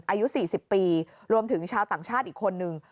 อายุสี่สิบปีรวมถึงชาวต่างชาติอีกคนหนึ่ง